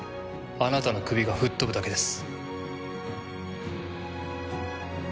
あなたの首が吹っ飛ぶだけです。